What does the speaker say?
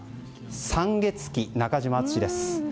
「山月記」、中島敦です。